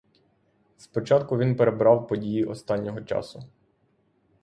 Спочатку він перебрав події останнього часу.